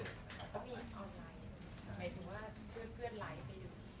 มีออนไลน์ใช่มั้ยหมายถึงว่าเพื่อนไลน์ไปดู